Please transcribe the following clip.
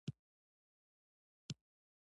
زه او یار مې یوه ورځ په دې ځای کې څریدو.